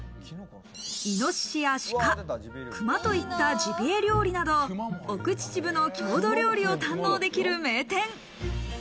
イノシシやシカ、クマといったジビエ料理など、奥秩父の郷土料理を堪能できる名店。